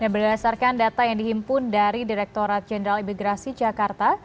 berdasarkan data yang dihimpun dari direkturat jenderal imigrasi jakarta